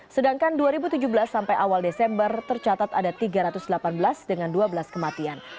sedangkan dua ribu tujuh belas sampai awal desember tercatat ada tiga ratus delapan belas dengan dua belas kematian